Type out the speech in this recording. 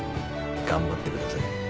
頑張ってください。